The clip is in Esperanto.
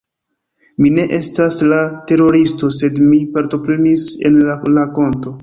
Mi ne estas la teroristo, sed mi partoprenis en la rakonto